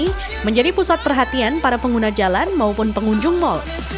ini menjadi pusat perhatian para pengguna jalan maupun pengunjung mal